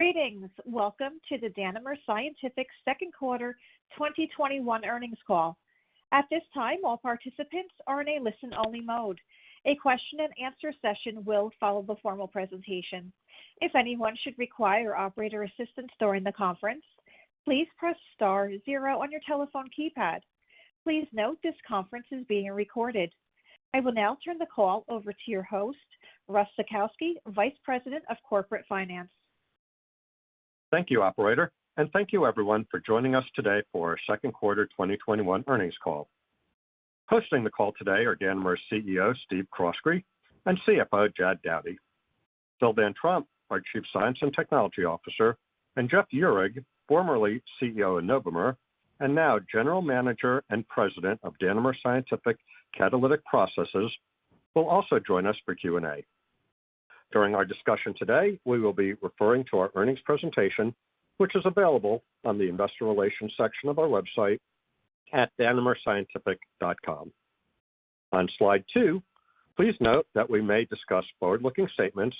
Greetings. Welcome to the Danimer Scientific second quarter 2021 earnings call. At this time, all participants are in a listen-only mode. A question and answer session will follow the formal presentation. If anyone should require operator assistance during the conference, please press star zero on your telephone keypad. Please note this conference is being recorded. I will now turn the call over to your host, Russ Zukowski, Vice President of Corporate Finance. Thank you, operator, and thank you everyone for joining us today for our second quarter 2021 earnings call. Hosting the call today are Danimer's CEO, Steve Croskrey, and CFO, Jad Dowdy. Phil Van Trump, our Chief Science and Technology Officer, and Jeff Uhrig, formerly CEO of Novomer, and now General Manager and President of Danimer Catalytic Technologies, will also join us for Q&A. During our discussion today, we will be referring to our earnings presentation, which is available on the investor relations section of our website at danimerscientific.com. On slide two, please note that we may discuss forward-looking statements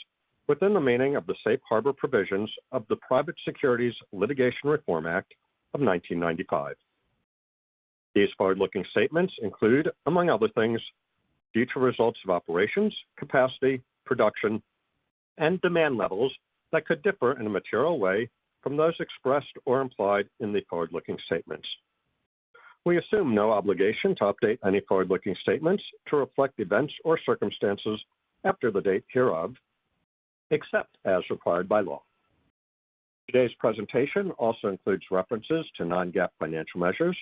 within the meaning of the safe harbor provisions of the Private Securities Litigation Reform Act of 1995. These forward-looking statements include, among other things, future results of operations, capacity, production, and demand levels that could differ in a material way from those expressed or implied in the forward-looking statements. We assume no obligation to update any forward-looking statements to reflect events or circumstances after the date hereof, except as required by law. Today's presentation also includes references to non-GAAP financial measures.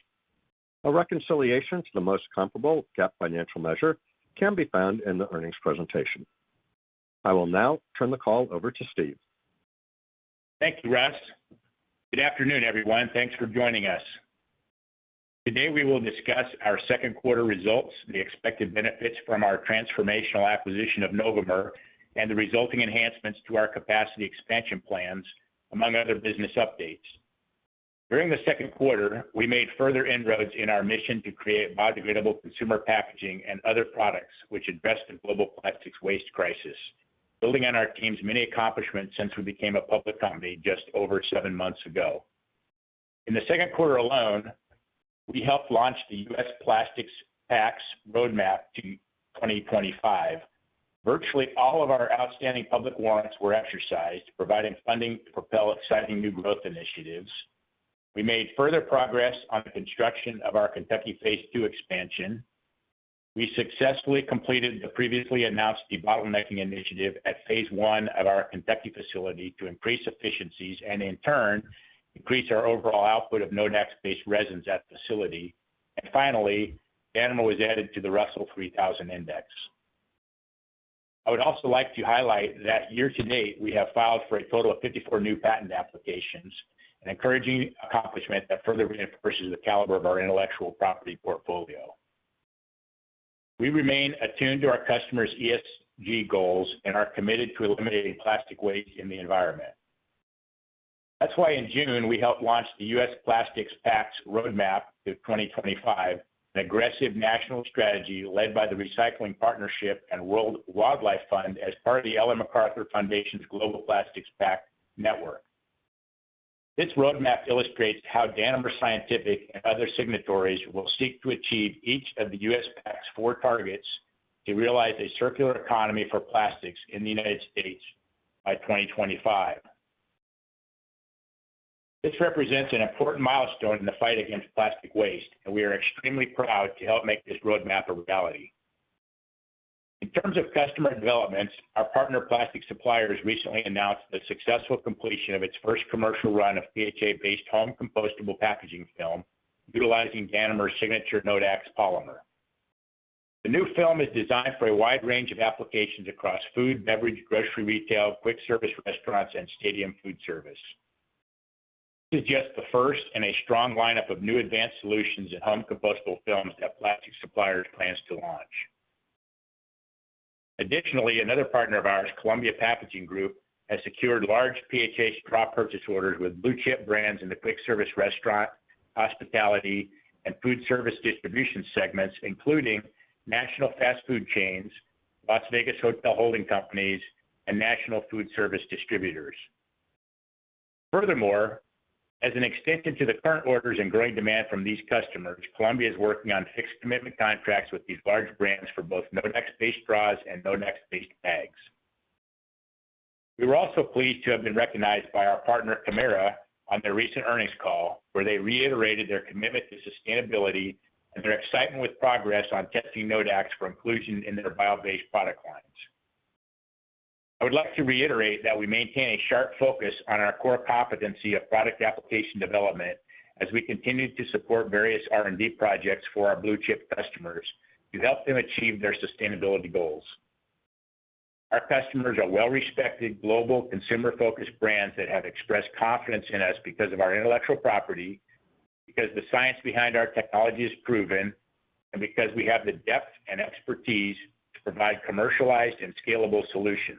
A reconciliation to the most comparable GAAP financial measure can be found in the earnings presentation. I will now turn the call over to Steve. Thank you, Russ. Good afternoon, everyone. Thanks for joining us. Today, we will discuss our second quarter results, the expected benefits from our transformational acquisition of Novomer, and the resulting enhancements to our capacity expansion plans, among other business updates. During the second quarter, we made further inroads in our mission to create biodegradable consumer packaging and other products which address the global plastics waste crisis, building on our team's many accomplishments since we became a public company just over seven months ago. In the second quarter alone, we helped launch the U.S. Plastics Pact's Roadmap to 2025. Virtually all of our outstanding public warrants were exercised, providing funding to propel exciting new growth initiatives. We made further progress on the construction of our Kentucky Phase II expansion. We successfully completed the previously announced debottlenecking initiative at Phase I of our Kentucky facility to increase efficiencies and, in turn, increase our overall output of Nodax-based resins at the facility. Finally, Danimer was added to the Russell 3000 Index. I would also like to highlight that year to date, we have filed for a total of 54 new patent applications, an encouraging accomplishment that further reinforces the caliber of our intellectual property portfolio. We remain attuned to our customers' ESG goals and are committed to eliminating plastic waste in the environment. That's why in June, we helped launch the U.S. Plastics Pact's Roadmap to 2025, an aggressive national strategy led by The Recycling Partnership and World Wildlife Fund as part of the Ellen MacArthur Foundation's Global Plastics Pact network. This roadmap illustrates how Danimer Scientific and other signatories will seek to achieve each of the U.S. Plastics Pact's 4 targets to realize a circular economy for plastics in the United States by 2025. This represents an important milestone in the fight against plastic waste, and we are extremely proud to help make this roadmap a reality. In terms of customer developments, our partner Plastic Suppliers recently announced the successful completion of its first commercial run of PHA-based home compostable packaging film utilizing Danimer's signature Nodax polymer. The new film is designed for a wide range of applications across food, beverage, grocery retail, quick service restaurants, and stadium food service. This is just the first in a strong lineup of new advanced solutions in home compostable films that Plastic Suppliers plans to launch. Additionally, another partner of ours, Columbia Packaging Group, has secured large PHA straw purchase orders with blue-chip brands in the quick service restaurant, hospitality, and food service distribution segments, including national fast food chains, Las Vegas hotel holding companies, and national food service distributors. Furthermore, as an extension to the current orders and growing demand from these customers, Columbia is working on fixed commitment contracts with these large brands for both Nodax-based straws and Nodax-based bags. We were also pleased to have been recognized by our partner, Kemira, on their recent earnings call, where they reiterated their commitment to sustainability and their excitement with progress on testing Nodax for inclusion in their bio-based product lines. I would like to reiterate that we maintain a sharp focus on our core competency of product application development as we continue to support various R&D projects for our blue-chip customers to help them achieve their sustainability goals. Our customers are well-respected global consumer-focused brands that have expressed confidence in us because of our intellectual property, because the science behind our technology is proven, and because we have the depth and expertise to provide commercialized and scalable solutions.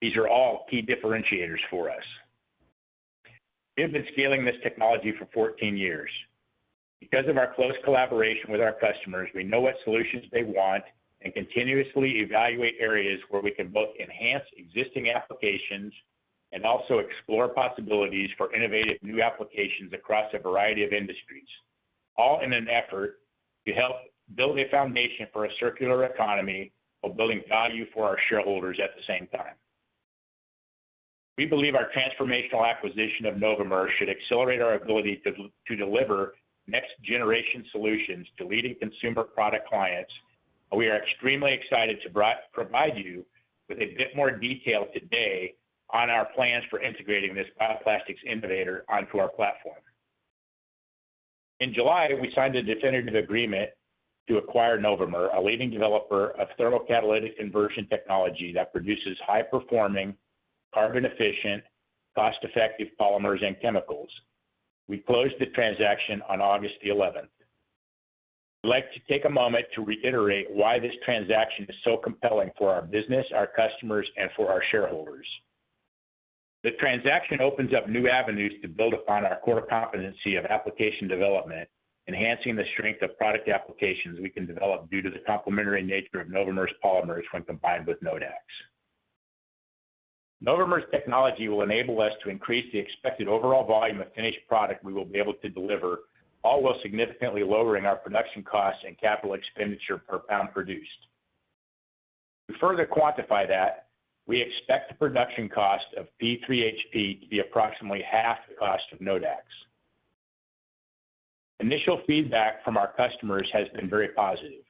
These are all key differentiators for us. We have been scaling this technology for 14 years. Because of our close collaboration with our customers, we know what solutions they want and continuously evaluate areas where we can both enhance existing applications and also explore possibilities for innovative new applications across a variety of industries, all in an effort to help build a foundation for a circular economy, while building value for our shareholders at the same time. We believe our transformational acquisition of Novomer should accelerate our ability to deliver next generation solutions to leading consumer product clients, and we are extremely excited to provide you with a bit more detail today on our plans for integrating this bioplastics innovator onto our platform. In July, we signed a definitive agreement to acquire Novomer, a leading developer of thermocatalytic conversion technology that produces high-performing, carbon-efficient, cost-effective polymers and chemicals. We closed the transaction on August the 11th. I'd like to take a moment to reiterate why this transaction is so compelling for our business, our customers, and for our shareholders. The transaction opens up new avenues to build upon our core competency of application development, enhancing the strength of product applications we can develop due to the complementary nature of Novomer's polymers when combined with Nodax. Novomer's technology will enable us to increase the expected overall volume of finished product we will be able to deliver, all while significantly lowering our production costs and capital expenditure per pound produced. To further quantify that, we expect the production cost of P3HP to be approximately half the cost of Nodax. Initial feedback from our customers has been very positive.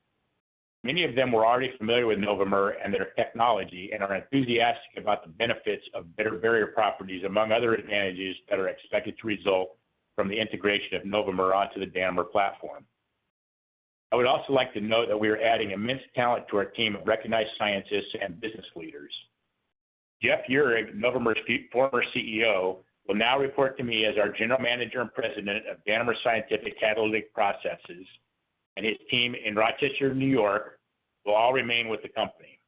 Many of them were already familiar with Novomer and their technology and are enthusiastic about the benefits of better barrier properties among other advantages that are expected to result from the integration of Novomer onto the Danimer platform. I would also like to note that we are adding immense talent to our team of recognized scientists and business leaders. Jeff Uhrig, Novomer's former CEO, will now report to me as our General Manager and President of Danimer Catalytic Technologies, and his team in Rochester, New York will all remain with the company.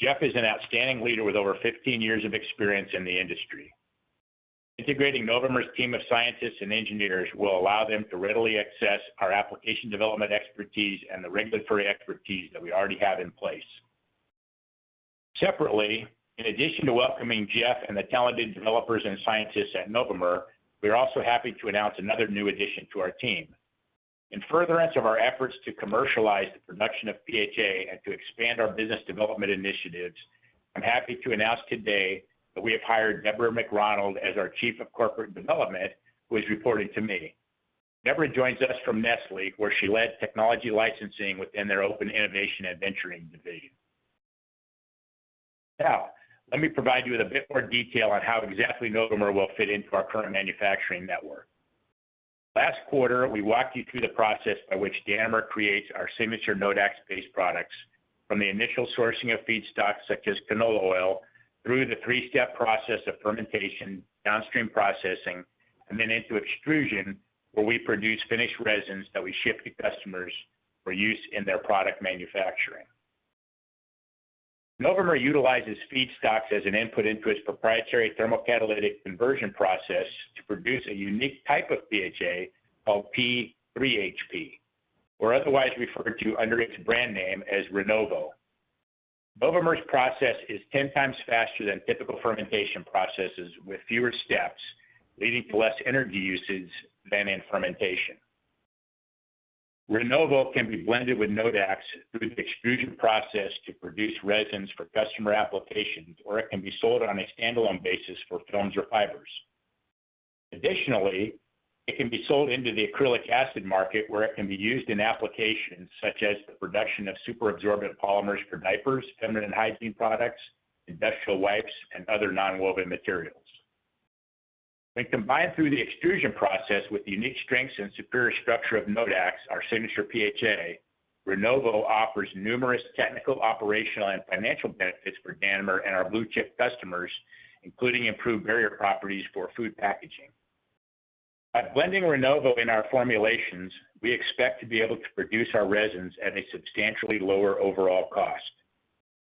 Jeff is an outstanding leader with over 15 years of experience in the industry. Integrating Novomer's team of scientists and engineers will allow them to readily access our application development expertise and the regulatory expertise that we already have in place. Separately, in addition to welcoming Jeff and the talented developers and scientists at Novomer, we are also happy to announce another new addition to our team. In furtherance of our efforts to commercialize the production of PHA and to expand our business development initiatives, I'm happy to announce today that we have hired Deborah McRonald as our Chief of Corporate Development, who is reporting to me. Deborah joins us from Nestlé, where she led technology licensing within their open innovation and venturing division. Now, let me provide you with a bit more detail on how exactly Novomer will fit into our current manufacturing network. Last quarter, we walked you through the process by which Danimer creates our signature Nodax-based products from the initial sourcing of feedstocks such as canola oil, through the three-step process of fermentation, downstream processing, and then into extrusion, where we produce finished resins that we ship to customers for use in their product manufacturing. Novomer utilizes feedstocks as an input into its proprietary thermocatalytic conversion process to produce a unique type of PHA called P3HP, or otherwise referred to under its brand name as Rinnovo. Novomer's process is 10 times faster than typical fermentation processes with fewer steps, leading to less energy usage than in fermentation. Rinnovo can be blended with Nodax through the extrusion process to produce resins for customer applications, or it can be sold on a standalone basis for films or fibers. Additionally, it can be sold into the acrylic acid market where it can be used in applications such as the production of super absorbent polymers for diapers, feminine hygiene products, industrial wipes, and other nonwoven materials. When combined through the extrusion process with the unique strengths and superior structure of Nodax, our signature PHA, Rinnovo offers numerous technical, operational, and financial benefits for Danimer and our blue-chip customers, including improved barrier properties for food packaging. By blending Rinnovo in our formulations, we expect to be able to produce our resins at a substantially lower overall cost.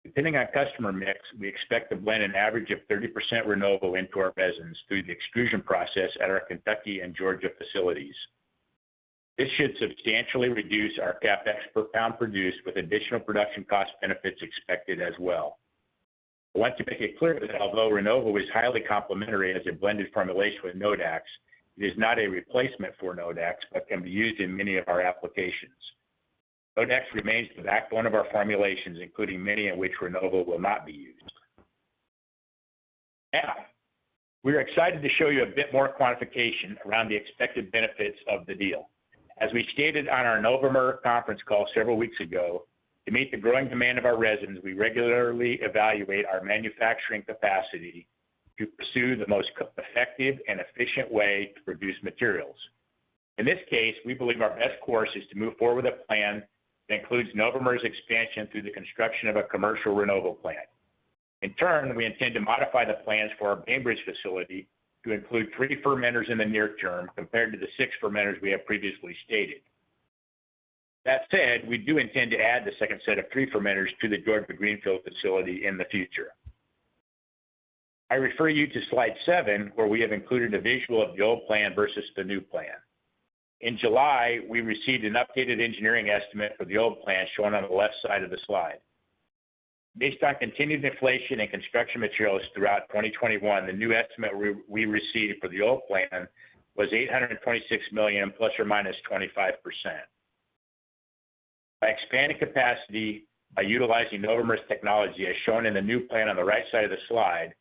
Depending on customer mix, we expect to blend an average of 30% Rinnovo into our resins through the extrusion process at our Kentucky and Georgia facilities. This should substantially reduce our CapEx per pound produced, with additional production cost benefits expected as well. I want to make it clear that although Rinnovo is highly complementary as a blended formulation with Nodax, it is not a replacement for Nodax, but can be used in many of our applications. Nodax remains the backbone of our formulations, including many in which Rinnovo will not be used. We're excited to show you a bit more quantification around the expected benefits of the deal. As we stated on our Novomer conference call several weeks ago, to meet the growing demand of our resins, we regularly evaluate our manufacturing capacity to pursue the most effective and efficient way to produce materials. In this case, we believe our best course is to move forward with a plan that includes Novomer's expansion through the construction of a commercial Rinnovo plant. In turn, we intend to modify the plans for our Bainbridge facility to include three fermenters in the near term compared to the six fermenters we have previously stated. That said, we do intend to add the second set of pre-fermenters to the Georgia greenfield facility in the future. I refer you to slide seven, where we have included a visual of the old plan versus the new plan. In July, we received an updated engineering estimate for the old plan, shown on the left side of the slide. Based on continued inflation in construction materials throughout 2021, the new estimate we received for the old plan was $826 million, ±25%. By expanding capacity by utilizing Novomer's technology, as shown in the new plan on the right side of the slide,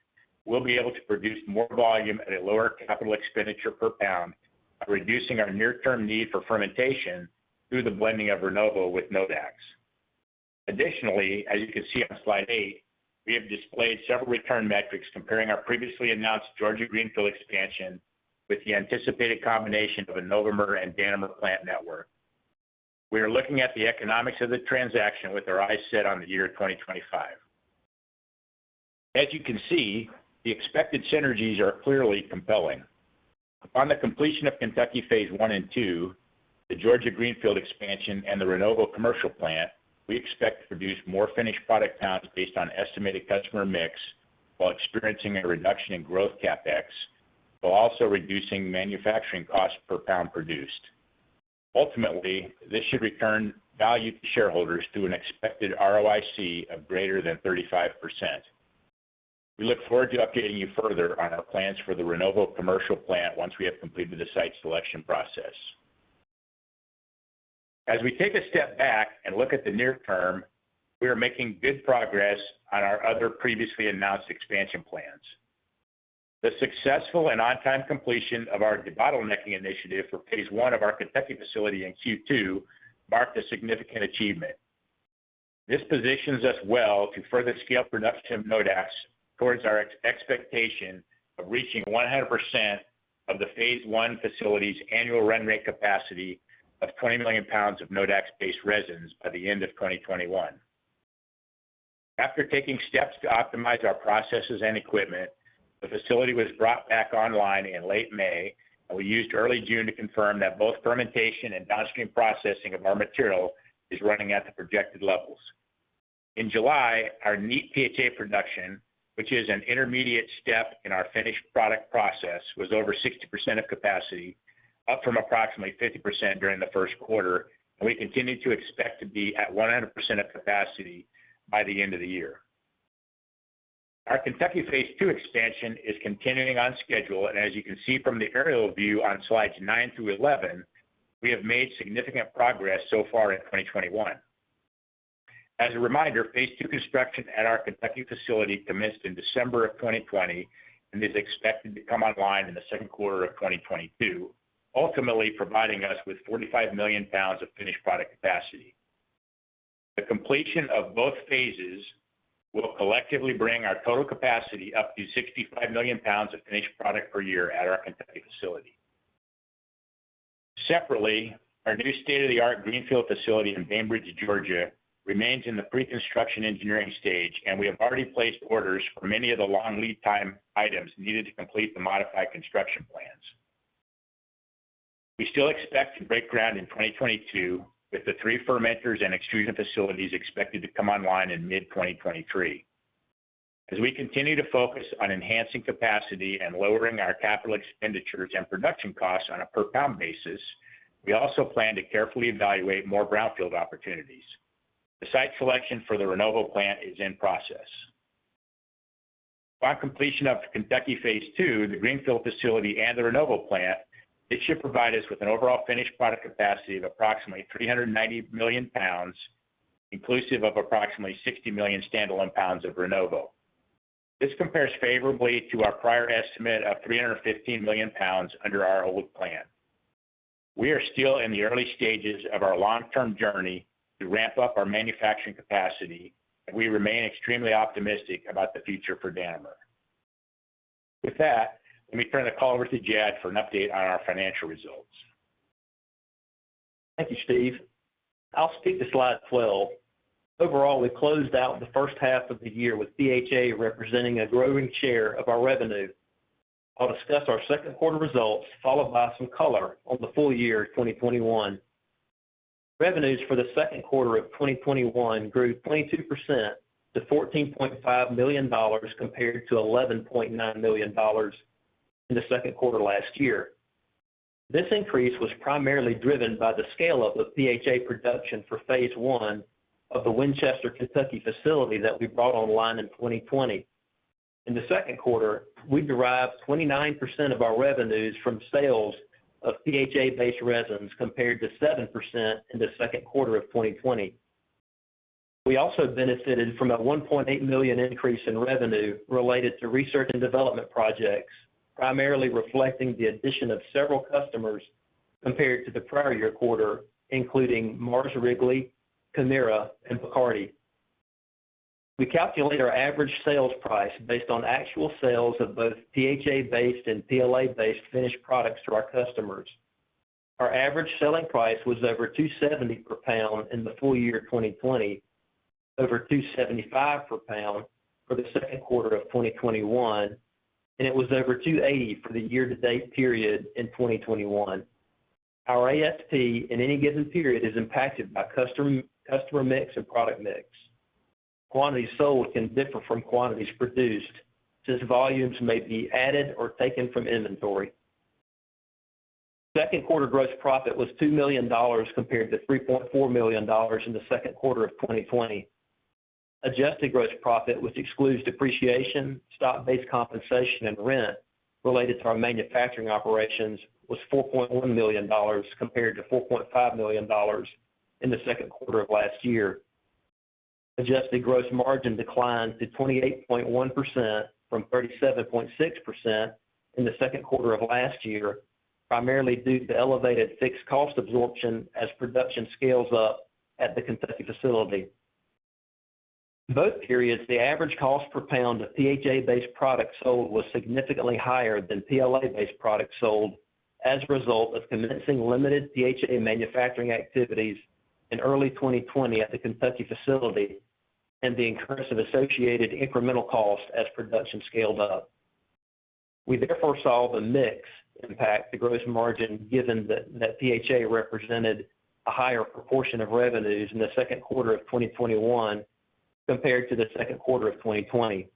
we'll be able to produce more volume at a lower capital expenditure per pound by reducing our near-term need for fermentation through the blending of Rinnovo with Nodax. Additionally, as you can see on slide 8, we have displayed several return metrics comparing our previously announced Georgia greenfield expansion with the anticipated combination of a Novomer and Danimer plant network. We are looking at the economics of the transaction with our eyes set on the year 2025. As you can see, the expected synergies are clearly compelling. Upon the completion of Kentucky Phase I and II, the Georgia greenfield expansion, and the Rinnovo commercial plant, we expect to produce more finished product pounds based on estimated customer mix, while experiencing a reduction in growth CapEx, while also reducing manufacturing cost per pound produced. Ultimately, this should return value to shareholders through an expected ROIC of greater than 35%. We look forward to updating you further on our plans for the Rinnovo commercial plant once we have completed the site selection process. As we take a step back and look at the near term, we are making good progress on our other previously announced expansion plans. The successful and on-time completion of our debottlenecking initiative for Phase I of our Kentucky facility in Q2 marked a significant achievement. This positions us well to further scale production of Nodax towards our expectation of reaching 100% of the Phase I facility's annual run rate capacity of 20 million pounds of Nodax-based resins by the end of 2021. After taking steps to optimize our processes and equipment, the facility was brought back online in late May, and we used early June to confirm that both fermentation and downstream processing of our material is running at the projected levels. In July, our neat PHA production, which is an intermediate step in our finished product process, was over 60% of capacity, up from approximately 50% during the first quarter, and we continue to expect to be at 100% of capacity by the end of the year. Our Kentucky Phase II expansion is continuing on schedule, and as you can see from the aerial view on slides 9-11, we have made significant progress so far in 2021. As a reminder, Phase II construction at our Kentucky facility commenced in December 2020 and is expected to come online in the second quarter of 2022, ultimately providing us with 45 million pounds of finished product capacity. The completion of both Phases will collectively bring our total capacity up to 65 million pounds of finished product per year at our Kentucky facility. Separately, our new state-of-the-art greenfield facility in Bainbridge, Georgia remains in the pre-construction engineering stage, and we have already placed orders for many of the long lead time items needed to complete the modified construction plans. We still expect to break ground in 2022, with the three fermenters and extrusion facilities expected to come online in mid-2023. As we continue to focus on enhancing capacity and lowering our capital expenditures and production costs on a per pound basis, we also plan to carefully evaluate more brownfield opportunities. The site selection for the Rinnovo plant is in process. Upon completion of the Kentucky Phase II, the greenfield facility, and the Rinnovo plant, it should provide us with an overall finished product capacity of approximately 390 million pounds, inclusive of approximately 60 million standalone pounds of Rinnovo. This compares favorably to our prior estimate of 315 million pounds under our old plan. We are still in the early stages of our long-term journey to ramp up our manufacturing capacity, and we remain extremely optimistic about the future for Danimer. With that, let me turn the call over to Jad for an update on our financial results. Thank you, Steve. I'll speak to slide 12. Overall, we closed out the first half of the year with PHA representing a growing share of our revenue. I'll discuss our second quarter results, followed by some color on the full year 2021. Revenues for the second quarter of 2021 grew 22% to $14.5 million compared to $11.9 million in the second quarter last year. This increase was primarily driven by the scale-up of PHA production for Phase I of the Winchester, Kentucky facility that we brought online in 2020. In the second quarter, we derived 29% of our revenues from sales of PHA-based resins, compared to 7% in the second quarter of 2020. We also benefited from a $1.8 million increase in revenue related to research and development projects, primarily reflecting the addition of several customers compared to the prior year quarter, including Mars Wrigley, Kemira, and Bacardi. We calculate our average sales price based on actual sales of both PHA-based and PLA-based finished products to our customers. Our average selling price was over $2.70 per pound in the full year 2020. Over $2.75 per pound for the second quarter of 2021, and it was over $2.80 for the year-to-date period in 2021. Our ASP in any given period is impacted by customer mix and product mix. Quantities sold can differ from quantities produced, since volumes may be added or taken from inventory. Second quarter gross profit was $2 million, compared to $3.4 million in the second quarter of 2020. Adjusted gross profit, which excludes depreciation, stock-based compensation, and rent related to our manufacturing operations, was $4.1 million compared to $4.5 million in the second quarter of last year. Adjusted gross margin declined to 28.1% from 37.6% in the second quarter of last year, primarily due to the elevated fixed cost absorption as production scales up at the Kentucky facility. In both periods, the average cost per pound of PHA-based products sold was significantly higher than PLA-based products sold as a result of commencing limited PHA manufacturing activities in early 2020 at the Kentucky facility, and the incurrence of associated incremental cost as production scaled up. We therefore saw the mix impact the gross margin given that PHA represented a higher proportion of revenues in the second quarter of 2021 compared to the second quarter of 2020.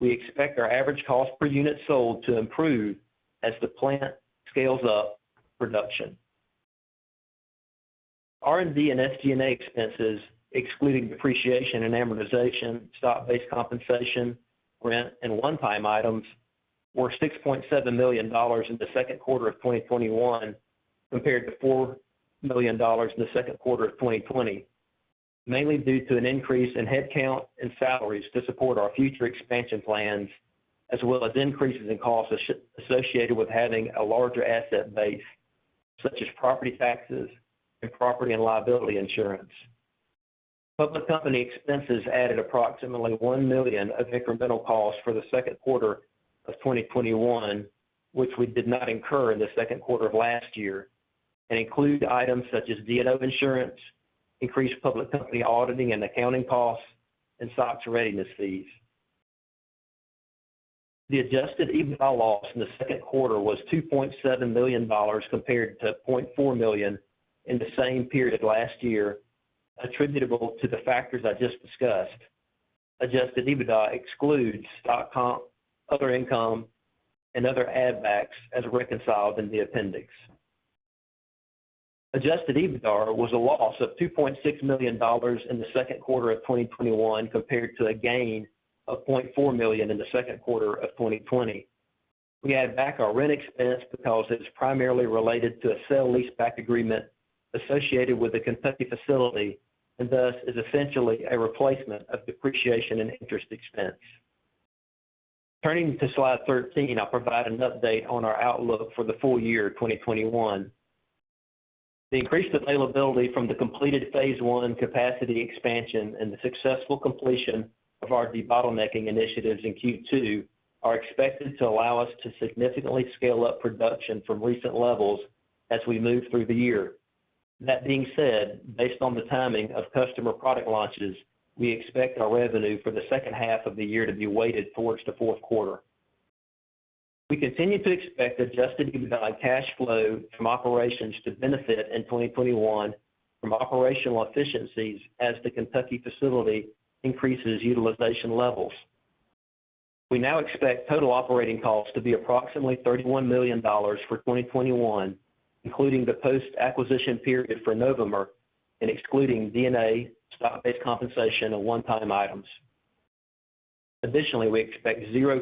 We expect our average cost per unit sold to improve as the plant scales up production. R&D and SG&A expenses, excluding depreciation and amortization, stock-based compensation, rent, and one-time items, were $6.7 million in Q2 2021 compared to $4 million in Q2 2020. Mainly due to an increase in headcount and salaries to support our future expansion plans, as well as increases in costs associated with having a larger asset base, such as property taxes and property and liability insurance. Public company expenses added approximately $1 million of incremental costs for Q2 2021, which we did not incur in Q2 last year, and include items such as D&O insurance, increased public company auditing and accounting costs, and SOX readiness fees. The adjusted EBITDA loss in Q2 was $2.7 million compared to $0.4 million in the same period last year, attributable to the factors I just discussed. Adjusted EBITDA excludes stock comp, other income, and other add backs as reconciled in the appendix. Adjusted EBITDA was a loss of $2.6 million in the second quarter of 2021 compared to a gain of $0.4 million in the second quarter of 2020. We add back our rent expense because it's primarily related to a sale leaseback agreement associated with the Kentucky facility, and thus is essentially a replacement of depreciation and interest expense. Turning to slide 13, I'll provide an update on our outlook for the full year 2021. The increased availability from the completed Phase I capacity expansion and the successful completion of our debottlenecking initiatives in Q2 are expected to allow us to significantly scale up production from recent levels as we move through the year. That being said, based on the timing of customer product launches, we expect our revenue for the second half of the year to be weighted towards the fourth quarter. We continue to expect adjusted EBITDA cash flow from operations to benefit in 2021 from operational efficiencies as the Kentucky facility increases utilization levels. We now expect total operating costs to be approximately $31 million for 2021, including the post-acquisition period for Novomer and excluding D&A, stock-based compensation, and one-time items. Additionally, we expect zero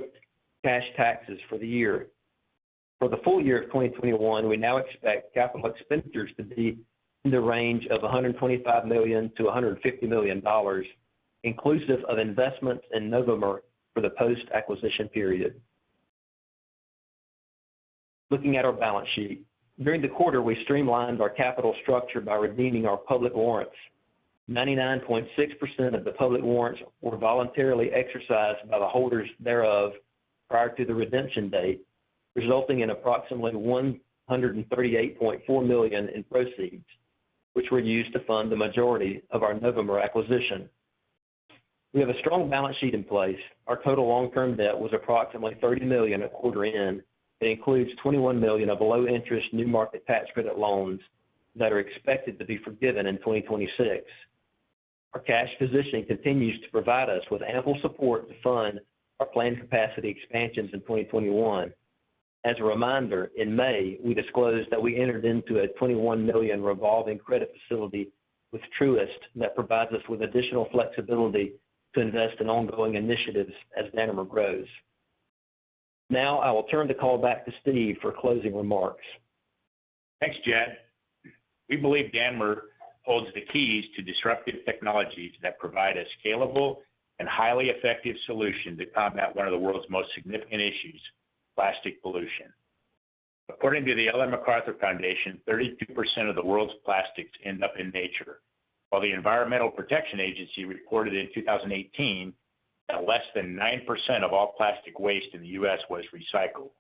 cash taxes for the year. For the full year of 2021, we now expect capital expenditures to be in the range of $125 million-$150 million, inclusive of investments in Novomer for the post-acquisition period. Looking at our balance sheet. During the quarter, we streamlined our capital structure by redeeming our public warrants. 99.6% of the public warrants were voluntarily exercised by the holders thereof prior to the redemption date, resulting in approximately $138.4 million in proceeds, which were used to fund the majority of our Novomer acquisition. We have a strong balance sheet in place. Our total long-term debt was approximately $30 million at quarter end, and includes $21 million of low interest New Markets Tax Credit loans that are expected to be forgiven in 2026. Our cash positioning continues to provide us with ample support to fund our planned capacity expansions in 2021. As a reminder, in May, we disclosed that we entered into a $21 million revolving credit facility with Truist that provides us with additional flexibility to invest in ongoing initiatives as Danimer grows. Now, I will turn the call back to Steve for closing remarks. Thanks, Jad. We believe Danimer holds the keys to disruptive technologies that provide a scalable and highly effective solution to combat one of the world's most significant issues, plastic pollution. According to the Ellen MacArthur Foundation, 32% of the world's plastics end up in nature. While the Environmental Protection Agency reported in 2018 that less than 9% of all plastic waste in the U.S. was recycled.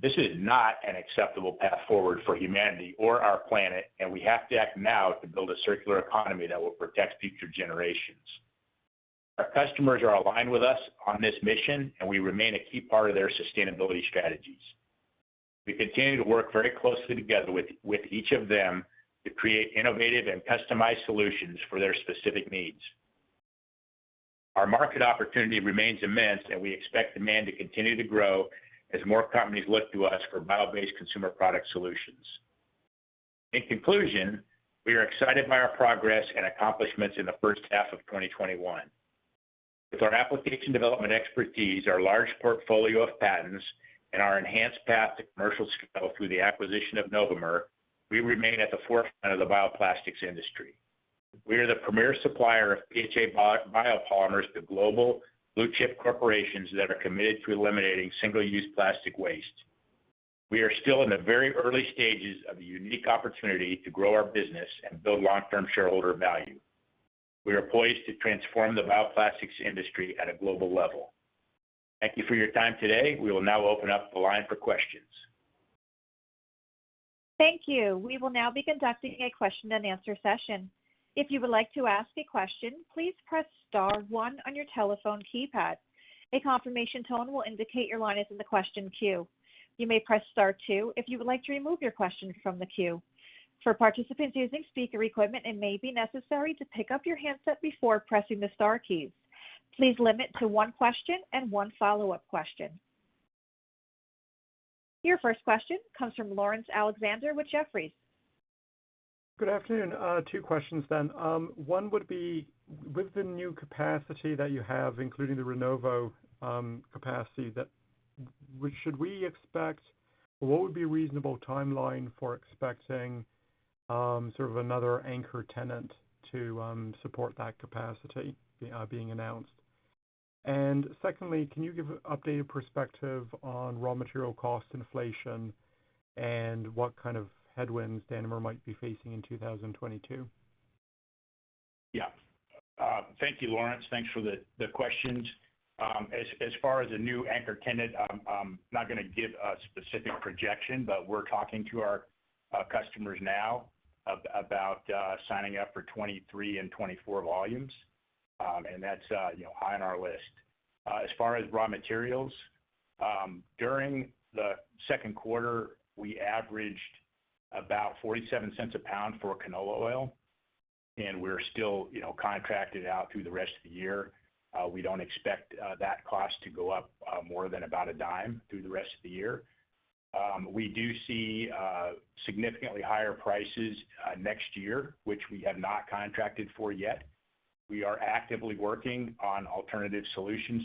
This is not an acceptable path forward for humanity or our planet, and we have to act now to build a circular economy that will protect future generations. Our customers are aligned with us on this mission, and we remain a key part of their sustainability strategies. We continue to work very closely together with each of them to create innovative and customized solutions for their specific needs. Our market opportunity remains immense, and we expect demand to continue to grow as more companies look to us for bio-based consumer product solutions. In conclusion, we are excited by our progress and accomplishments in the first half of 2021. With our application development expertise, our large portfolio of patents, and our enhanced path to commercial scale through the acquisition of Novomer, we remain at the forefront of the bioplastics industry. We are the premier supplier of PHA biopolymers to global blue-chip corporations that are committed to eliminating single-use plastic waste. We are still in the very early stages of a unique opportunity to grow our business and build long-term shareholder value. We are poised to transform the bioplastics industry at a global level. Thank you for your time today. We will now open up the line for questions. Thank you. We will now be conducting a question and answer session. If you would like to ask a question, please press star one on your telephone keypad. A confirmation tone will indicate your line is in the question queue. You may press star two if you would like to remove your question from the queue. For participants using speaker equipment, it may be necessary to pick up your handset before pressing the star keys. Please limit to one question and one follow-up question. Your first question comes from Laurence Alexander with Jefferies. Good afternoon. Two questions. One would be, with the new capacity that you have, including the Rinnovo capacity, what would be a reasonable timeline for expecting another anchor tenant to support that capacity being announced? Secondly, can you give an updated perspective on raw material cost inflation and what kind of headwinds Danimer might be facing in 2022? Thank you, Laurence. Thanks for the questions. As far as the new anchor tenant, I'm not going to give a specific projection, but we're talking to our customers now about signing up for 2023 and 2024 volumes. That's high on our list. As far as raw materials, during the second quarter, we averaged about $0.47 a pound for canola oil, and we're still contracted out through the rest of the year. We don't expect that cost to go up more than about $0.10 through the rest of the year. We do see significantly higher prices next year, which we have not contracted for yet. We are actively working on alternative solutions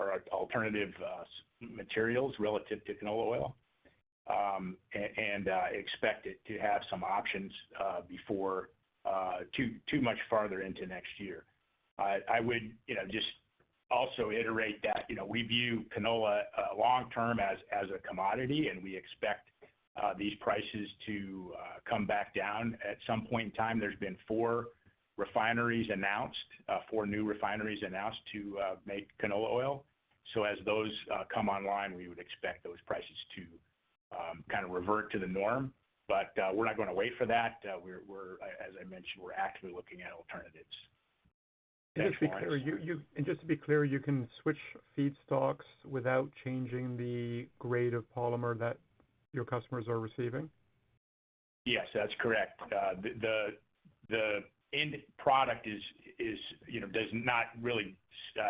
or alternative materials relative to canola oil, and expect it to have some options before too much farther into next year. I would just also iterate that we view canola long term as a commodity, and we expect these prices to come back down at some point in time. There's been four new refineries announced to make canola oil. As those come online, we would expect those prices to revert to the norm. We're not going to wait for that. As I mentioned, we're actively looking at alternatives. Just to be clear, you can switch feedstocks without changing the grade of polymer that your customers are receiving? Yes, that's correct. The end product does not really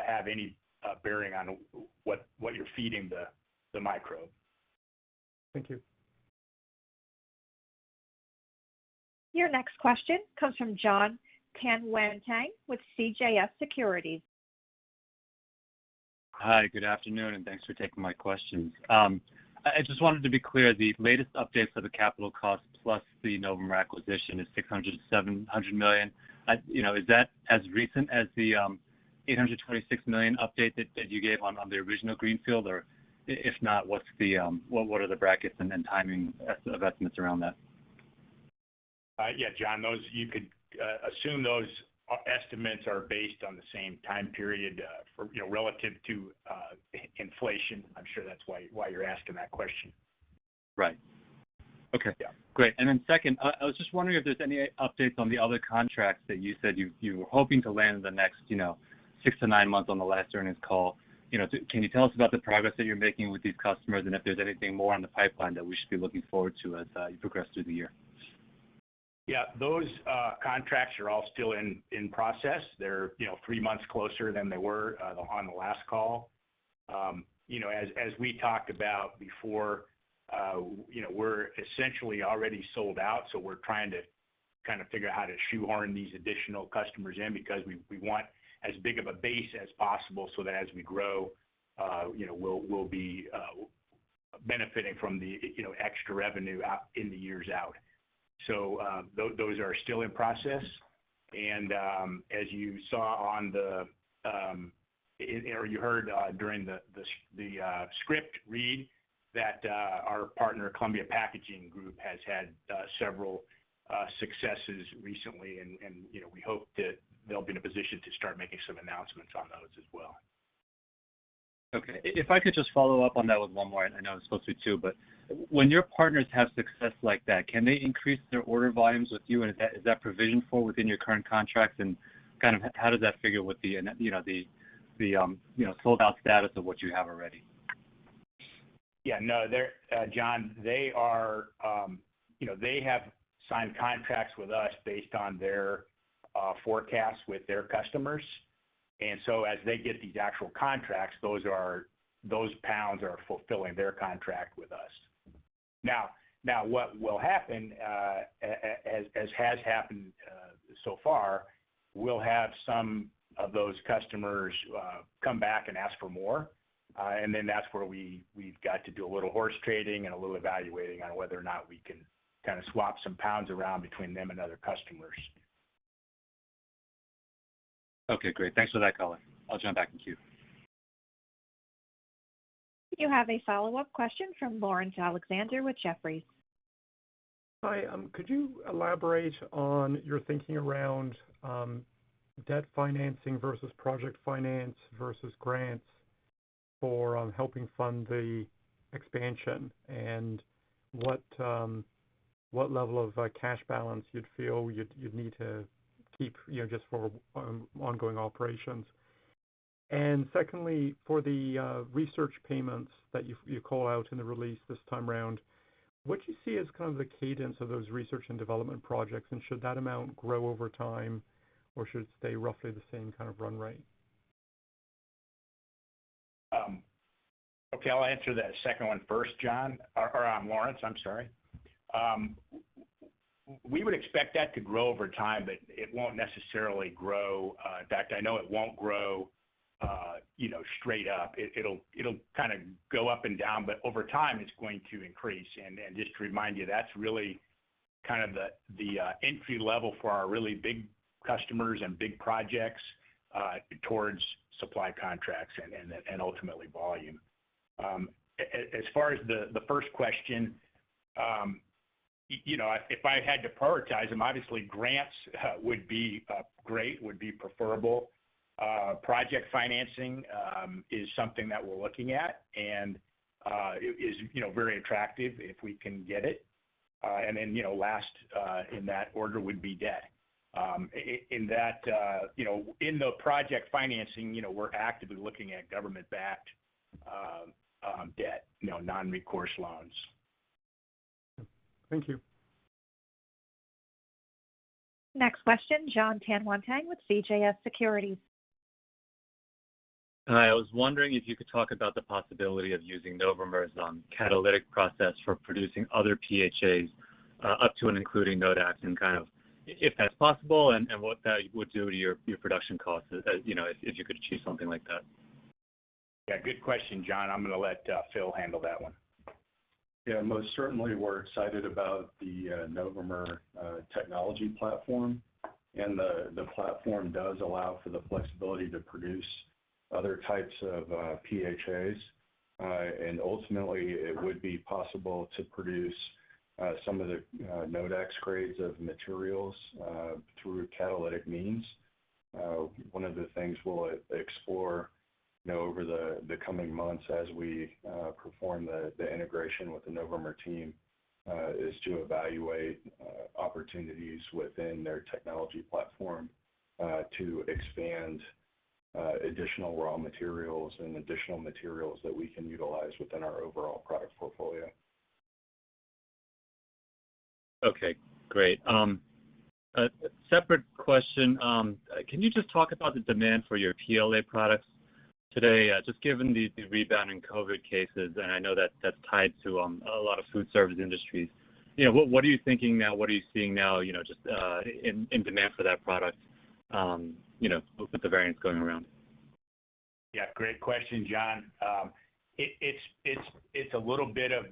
have any bearing on what you're feeding the microbe. Thank you. Your next question comes from Jonathan Tanwanteng with CJS Securities. Hi, good afternoon, thanks for taking my questions. I just wanted to be clear, the latest updates for the capital cost plus the Novomer acquisition is $600 million-$700 million. Is that as recent as the $826 million update that you gave on the original greenfield? If not, what are the brackets and then timing of estimates around that? Yeah, Jon, you could assume those estimates are based on the same time period relative to inflation. I'm sure that's why you're asking that question. Right. Okay. Yeah. Great. Second, I was just wondering if there's any updates on the other contracts that you said you were hoping to land in the next six to nine months on the last earnings call. Can you tell us about the progress that you're making with these customers and if there's anything more on the pipeline that we should be looking forward to as you progress through the year? Yeah, those contracts are all still in process. They're three months closer than they were on the last call. As we talked about before, we're essentially already sold out, so we're trying to figure out how to shoehorn these additional customers in because we want as big of a base as possible so that as we grow, we'll be benefiting from the extra revenue in the years out. Those are still in process. As you heard during the script read that our partner, Columbia Packaging Group, has had several successes recently, and we hope that they'll be in a position to start making some announcements on those as well. Okay. If I could just follow up on that with one more. I know I'm supposed to two, but when your partners have success like that, can they increase their order volumes with you? Is that provisioned for within your current contract, and how does that figure with the sold-out status of what you have already? Yeah, no. Jonathan, they have signed contracts with us based on their forecast with their customers. As they get these actual contracts, those pounds are fulfilling their contract with us. Now, what will happen, as has happened so far, we'll have some of those customers come back and ask for more. That's where we've got to do a little horse trading and a little evaluating on whether or not we can kind of swap some pounds around between them and other customers. Okay, great. Thanks for that, color. I'll jump back in queue. You have a follow-up question from Laurence Alexander with Jefferies. Hi. Could you elaborate on your thinking around debt financing versus project finance versus grants for helping fund the expansion? What level of cash balance you'd feel you'd need to keep just for ongoing operations? Secondly, for the research payments that you call out in the release this time around, what do you see as kind of the cadence of those research and development projects? Should that amount grow over time, or should it stay roughly the same kind of run rate? Okay, I'll answer that second one first, Jon. Laurence, I'm sorry. We would expect that to grow over time, but it won't necessarily grow. In fact, I know it won't grow straight up. It'll kind of go up and down, but over time, it's going to increase. Just to remind you, that's really kind of the entry level for our really big customers and big projects towards supply contracts and ultimately volume. As far as the first question, if I had to prioritize them, obviously grants would be great, would be preferable. Project financing is something that we're looking at, and is very attractive if we can get it. Last in that order would be debt. In the project financing, we're actively looking at government-backed debt, non-recourse loans. Thank you. Next question, Jonathan Tanwanteng with CJS Securities. Hi, I was wondering if you could talk about the possibility of using Novomer's catalytic process for producing other PHAs up to and including Nodax and kind of if that's possible and what that would do to your production costs if you could achieve something like that. Yeah, good question, Jon. I'm going to let Phil handle that one. Yeah, most certainly, we're excited about the Novomer technology platform, and the platform does allow for the flexibility to produce other types of PHAs. Ultimately, it would be possible to produce some of the Nodax grades of materials through catalytic means. One of the things we'll explore over the coming months as we perform the integration with the Novomer team, is to evaluate opportunities within their technology platform to expand additional raw materials and additional materials that we can utilize within our overall product portfolio. Okay, great. A separate question. Can you just talk about the demand for your PLA products today? Just given the rebound in COVID cases, and I know that's tied to a lot of food service industries. What are you thinking now? What are you seeing now, just in demand for that product with the variants going around? Yeah, great question, Jon. It's a little bit of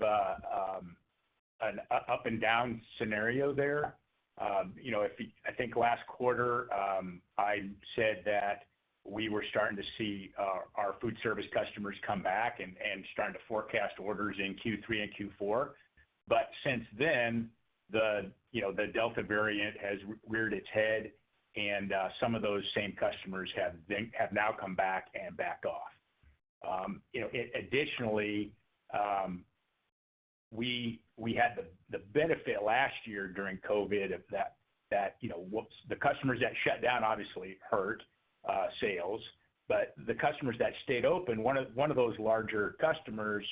an up-and-down scenario there. I think last quarter, I said that we were starting to see our food service customers come back and starting to forecast orders in Q3 and Q4. Since then, the Delta variant has reared its head, and some of those same customers have now come back and backed off. Additionally, we had the benefit last year during COVID of the customers that shut down obviously hurt sales, but the customers that stayed open, one of those larger customers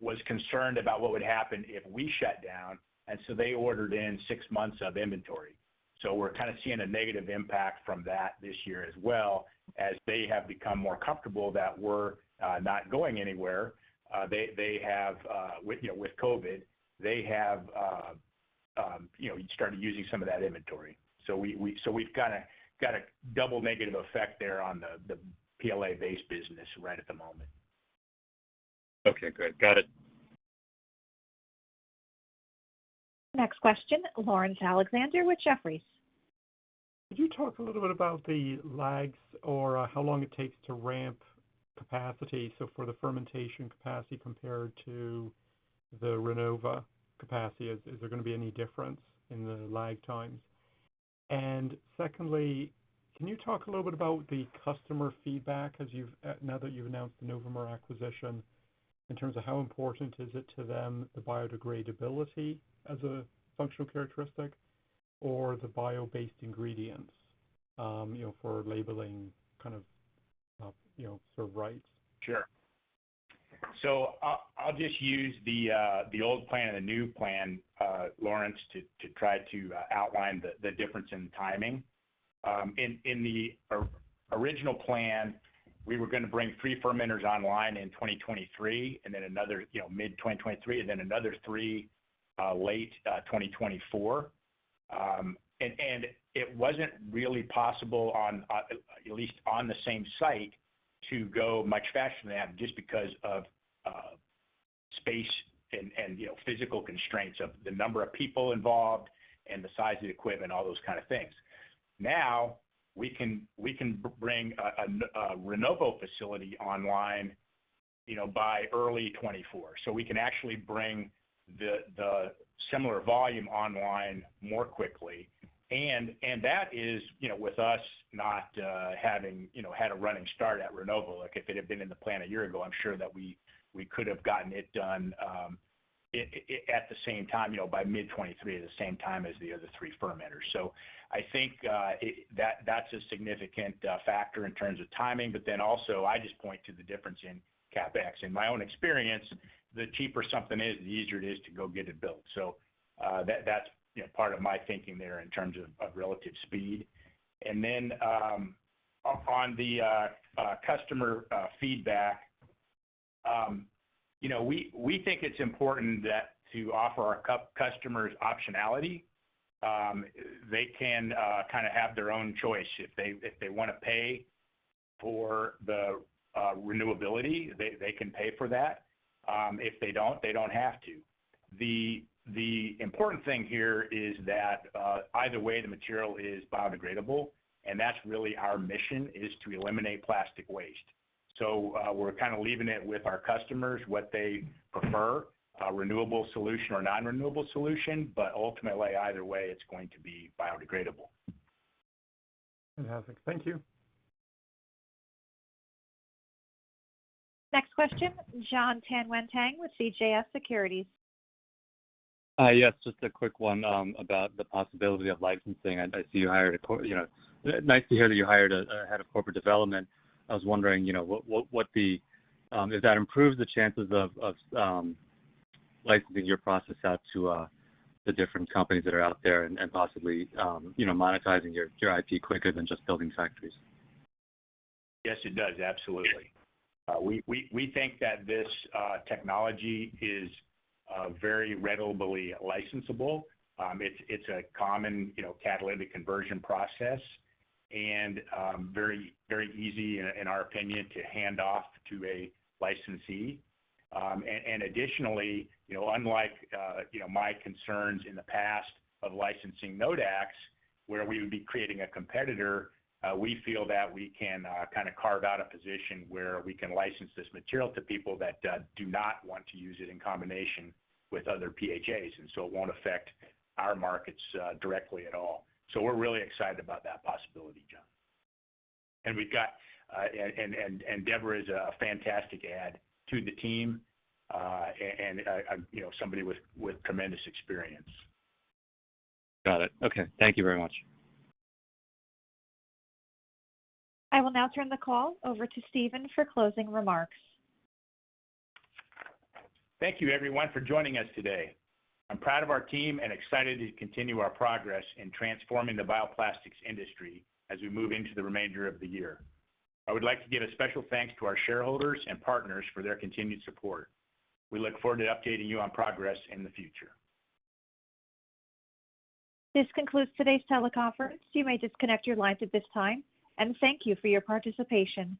was concerned about what would happen if we shut down, and so they ordered in six months of inventory. We're kind of seeing a negative impact from that this year as well, as they have become more comfortable that we're not going anywhere. With COVID, they have started using some of that inventory. We've got a double negative effect there on the PLA-based business right at the moment. Okay, great. Got it. Next question, Laurence Alexander with Jefferies. Could you talk a little bit about the lags or how long it takes to ramp capacity, so for the fermentation capacity compared to the Rinnovo capacity, is there going to be any difference in the lag times? Secondly, can you talk a little bit about the customer feedback now that you've announced the Novomer acquisition in terms of how important is it to them, the biodegradability as a functional characteristic or the bio-based ingredients for labeling kind of cert rights? Sure. I'll just use the old plan and the new plan, Laurence, to try to outline the difference in timing. In the original plan, we were going to bring three fermenters online in 2023, mid-2023, and then another three late 2024. It wasn't really possible, at least on the same site, to go much faster than that just because of space and physical constraints of the number of people involved and the size of the equipment, all those kind of things. Now we can bring a Rinnovo facility online by early 2024, so we can actually bring the similar volume online more quickly, and that is with us not having had a running start at Rinnovo. If it had been in the plan a year ago, I'm sure that we could have gotten it done at the same time, by mid 2023, at the same time as the other three fermenters. I think that's a significant factor in terms of timing. Also, I just point to the difference in CapEx. In my own experience, the cheaper something is, the easier it is to go get it built. That's part of my thinking there in terms of relative speed. On the customer feedback, we think it's important that to offer our customers optionality. They can have their own choice. If they want to pay for the renewability, they can pay for that. If they don't, they don't have to. The important thing here is that either way, the material is biodegradable, and that's really our mission, is to eliminate plastic waste. We're kind of leaving it with our customers, what they prefer, a renewable solution or non-renewable solution. Ultimately, either way, it's going to be biodegradable. Fantastic. Thank you. Next question, Jonathan Tanwanteng with CJS Securities. Yes, just a quick one about the possibility of licensing. Nice to hear that you hired a head of corporate development. I was wondering if that improves the chances of licensing your process out to the different companies that are out there and possibly monetizing your IP quicker than just building factories. Yes, it does, absolutely. We think that this technology is very readily licensable. It's a common catalytic conversion process and very easy, in our opinion, to hand off to a licensee. Unlike my concerns in the past of licensing Nodax, where we would be creating a competitor, we feel that we can kind of carve out a position where we can license this material to people that do not want to use it in combination with other PHAs, it won't affect our markets directly at all. We're really excited about that possibility, Jonathan. Deborah is a fantastic add to the team and somebody with tremendous experience. Got it. Okay. Thank you very much. I will now turn the call over to Stephen for closing remarks. Thank you, everyone, for joining us today. I'm proud of our team and excited to continue our progress in transforming the bioplastics industry as we move into the remainder of the year. I would like to give a special thanks to our shareholders and partners for their continued support. We look forward to updating you on progress in the future. This concludes today's teleconference. You may disconnect your lines at this time, and thank you for your participation.